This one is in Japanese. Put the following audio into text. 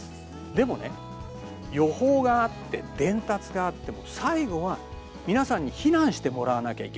でもね予報があって伝達があっても最後は皆さんに避難してもらわなきゃいけないんですね。